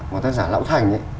một tác giả lão thành ấy